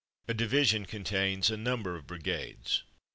A division con tains a number of brigades.